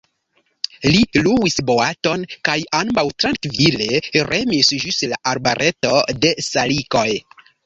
Li luis boaton kaj ambaŭ trankvile remis ĝis la arbareto de salikoj.